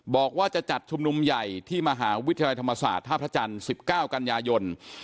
บอกว่าจะจัดชุมนุมใหญ่ที่มหาวิทยาลัยธรรมศาสตร์ท่าพระจันทร์๑๙กันยายน